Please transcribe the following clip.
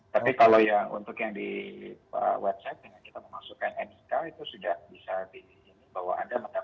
tapi kalau yang untuk yang di website yang kita memasukkan itu sudah bisa diizinkan